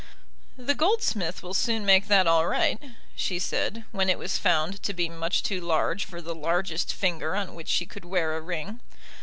"The goldsmith will soon make that all right," she said, when it was found to be much too large for the largest finger on which she could wear a ring.